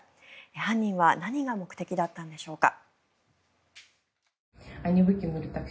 犯人は何が目的だったんでしょうか。